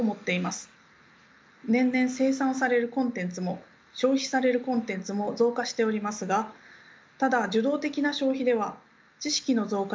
年々生産されるコンテンツも消費されるコンテンツも増加しておりますがただ受動的な消費では知識の増加にとどまります。